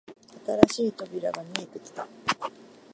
新しい扉が見えてきた